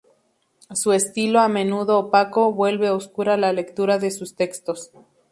Su estilo, a menudo opaco, vuelve oscura la lectura de sus textos.